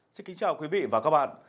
xin kính chào quý vị và các bạn